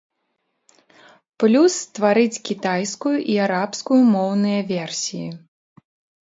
Плюс стварыць кітайскую і арабскую моўныя версіі.